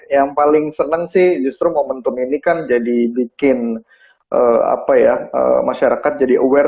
yang paling seneng sih justru momentum ini kan jadi bikin apa ya masyarakat jadi aware